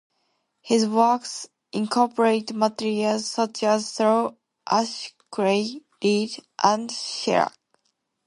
His works incorporate materials such as straw, ash, clay, lead, and shellac.